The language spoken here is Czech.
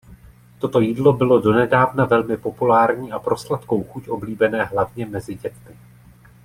Toto jídlo bylo donedávna velmi populární a pro sladkou chuť oblíbené hlavně mezi dětmi.